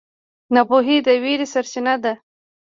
ناپوهي د وېرې سرچینه ده.